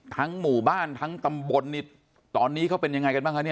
ทั้งหมู่บ้านทั้งตำบลตอนนี้เขาเป็นยังไงกันบ้างคะ